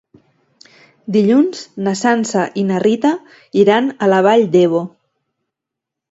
Dilluns na Sança i na Rita iran a la Vall d'Ebo.